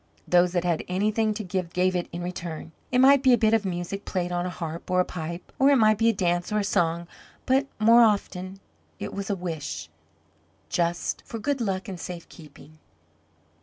Those that had anything to give gave it in return. It might be a bit of music played on a harp or a pipe, or it might be a dance or a song; but more often it was a wish, just, for good luck and safekeeping.